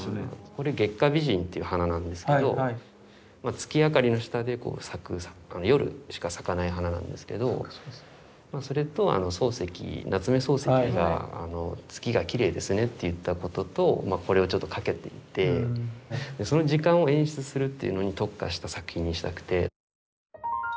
これ月下美人っていう花なんですけど月明かりの下で夜しか咲かない花なんですけどそれと夏目漱石が「月がきれいですね」って言ったこととこれをちょっと掛けていてその時間を演出するっていうのに特化した作品にしたくて。